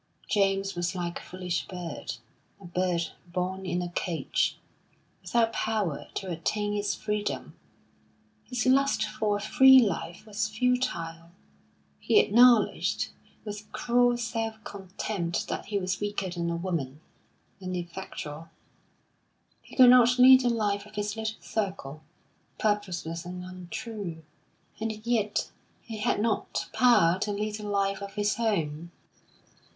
James was like a foolish bird a bird born in a cage, without power to attain its freedom. His lust for a free life was futile; he acknowledged with cruel self contempt that he was weaker than a woman ineffectual. He could not lead the life of his little circle, purposeless and untrue; and yet he had not power to lead a life of his own.